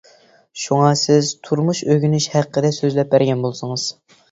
شۇڭا سىز تۇرمۇش ئۆگىنىش ھەققىدە سۆزلەپ بەرگەن بولسىڭىز.